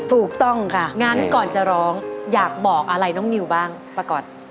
ถูกต้องค่ะงั้นก่อนจะร้องอยากบอกอะไรน้องนิวบ้างประกอด